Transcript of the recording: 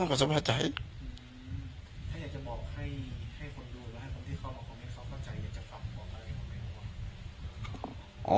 อยากจะฝับบอกอะไรของเขาไหมครับว่ะ